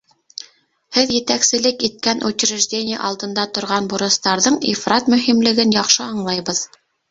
Һеҙ етәкселек иткән учреждение алдында торған бурыстарҙың ифрат мөһимлеген яҡшы аңлайбыҙ.